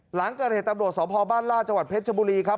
หลังเกิดเหตุตำรวจสพบ้านล่าจังหวัดเพชรชบุรีครับ